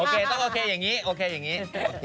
เคต้องโอเคอย่างนี้โอเคอย่างนี้